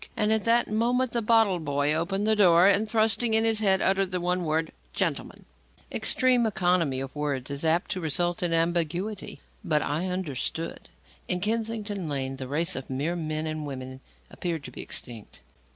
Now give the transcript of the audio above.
And at that moment, the bottle boy opened the door and, thrusting in his head, uttered the one word: "Gentleman." Extreme economy of words is apt to result in ambiguity. But I understood. In Kennington Lane, the race of mere men and women appeared to be extinct.